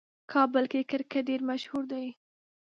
کابل کې کرکټ ډېر مشهور دی.